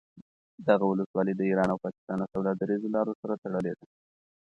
دغه ولسوالي د ایران او پاکستان له سوداګریزو لارو سره تړلې ده